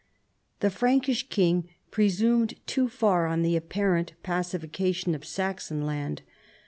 The Frankish king presumed too far on the apparent pacification of Saxon land.